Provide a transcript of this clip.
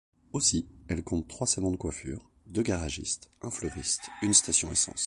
Aussi elle compte trois salons de coiffure, deux garagistes, un fleuriste, une station essence.